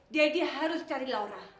dedi harus cari laura